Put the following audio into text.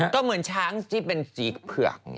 ก็เหมือนช้างที่เป็นสีเผือก